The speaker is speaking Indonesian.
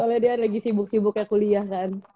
soalnya dia lagi sibuk sibuk ya kuliah kan